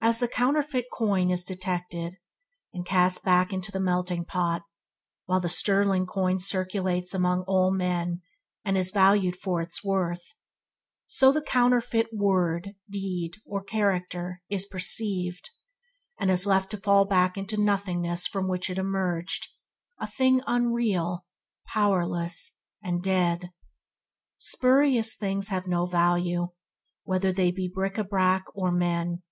As the counterfeit coin is detected, and cast back into the melting pot, while the sterling coin circulates among all men, and is valued for its worth, so the counterfeit word, deed, or character is perceived, and is left to fall back into the nothingness from which it emerged, a thing unreal, powerless, dead. Spurious things have no value, whether they be bric a brac or men.